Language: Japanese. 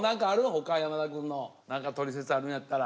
他山田くんの何かトリセツあるんやったら。